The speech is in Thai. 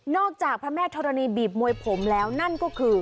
จากพระแม่ธรณีบีบมวยผมแล้วนั่นก็คือ